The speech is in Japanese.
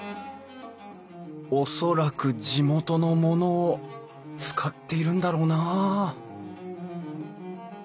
恐らく地元のものを使っているんだろうなあ